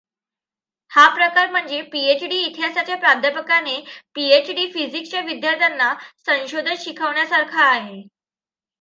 हा प्रकार म्हणजे पीएच. डी. इतिहासाच्या प्राध्यापकाने पीएच. डी. फिजिक्सच्या विद्यार्थ्यांना संशोधन शिकवण्यासारखा आहे.